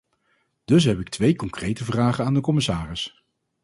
Dus heb ik twee concrete vragen aan de commissaris.